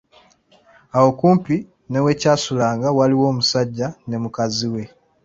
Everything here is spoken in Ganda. Awo okumpi ne wekyasulanga waaliwo omusajja ne mukaziwe.